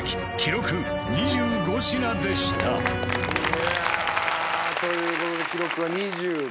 いやということで記録が２５。